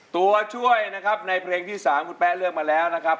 ตัวช่วยนะครับในเพลงที่๓คุณแป๊ะเลือกมาแล้วนะครับ